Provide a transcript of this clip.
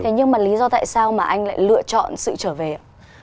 nhưng mà lý do tại sao mà anh lại lựa chọn sự trở về ạ